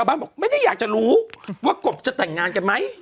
บ้านบอกไม่ได้อยากจะรู้ว่ากบจะแต่งงานกันไหม